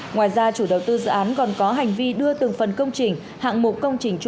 ngoài ra chủ đầu tư dự án còn có hành vi đưa từng phần công trình hạng mục công trình